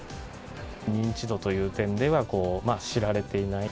認知度という点では、知られていない。